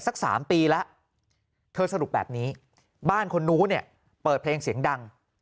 สัก๓ปีแล้วเธอสรุปแบบนี้บ้านคนนู้นเนี่ยเปิดเพลงเสียงดัง